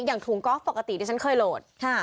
อย่างถุงก็อฟปกติที่ฉันเคยโหลด